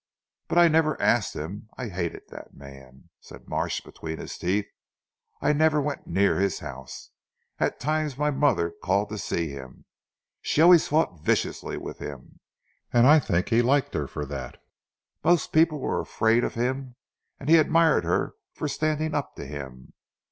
But I never asked him. I hated that man," said Marsh between his teeth. "I never went near his house. At times my mother called to see him. She always fought viciously with him, and I think he liked her for that. Most people were afraid of him, and he admired her for standing up to him.